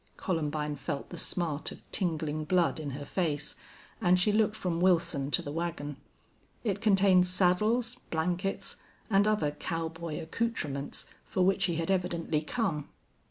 Columbine felt the smart of tingling blood in her face, and she looked from Wilson to the wagon. It contained saddles, blankets, and other cowboy accoutrements for which he had evidently come.